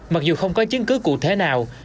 mặc dù không có chứng cứ cụ thể nào